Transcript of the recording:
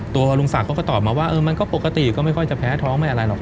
ตัวลุงศักดิ์เขาก็ตอบมาว่ามันก็ปกติก็ไม่ค่อยจะแพ้ท้องไม่อะไรหรอก